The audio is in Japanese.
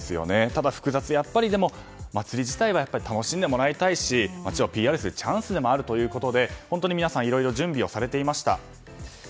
ただ、複雑でやっぱり、まつり自体は楽しんでもらいたいし街をＰＲするチャンスであるということで皆さんいろいろ準備をされていました。